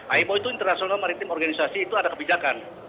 aymo itu international maritime organization itu ada kebijakan